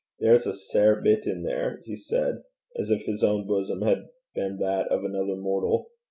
'There's a sair bit in there,' he said, as if his own bosom had been that of another mortal.